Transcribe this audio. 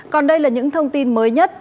còn đây là những thông tin mới nhất